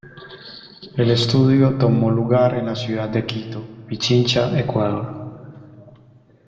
El estudio tomó lugar en la ciudad de Quito, Pichincha, Ecuador.